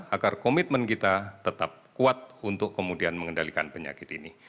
agar komitmen kita tetap kuat untuk kemudian mengendalikan penyakit ini